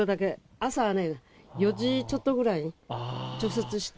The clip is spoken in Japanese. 朝はね、４時ちょっとぐらいに除雪して。